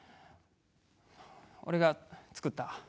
俺が作った。